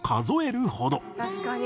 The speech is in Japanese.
「確かに！